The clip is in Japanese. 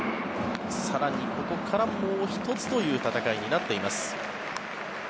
更に、ここからもう１つという戦いになっています。